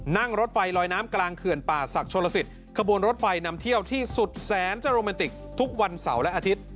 นั่งรถไฟลอยน้ำกลางเขื่อนป่าศักดิ์โชลสิทธิ์ขบวนรถไฟนำเที่ยวที่สุดแสนจะโรแมนติกทุกวันเสาร์และอาทิตย์